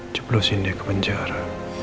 jepul sini ke penjara